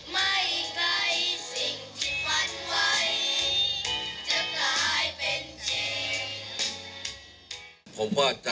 มันไว้จะกลายเป็นจริง